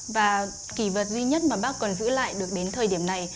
và kỳ vật duy nhất mà bác còn giữ lại được đến thời điểm này